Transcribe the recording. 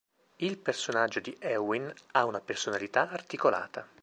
Il personaggio di Éowyn ha una personalità articolata.